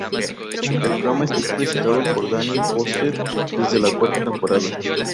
El programa está presentado por Danny Forster desde la cuarta temporada.